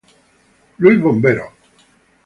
Louis Bombers.